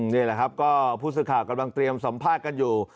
นี่แหละครับก็ผู้สื่อข่าวกำลังเตรียมสัมภาษณ์กันอยู่